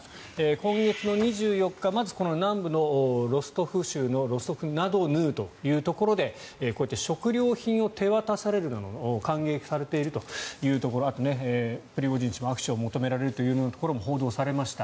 今月２４日まず南部のロストフ州のロストフナドヌーというところでこうやって食料品を手渡されるなど歓迎されているというところあと、プリゴジン氏も握手を求められるというところもこれも報道されました。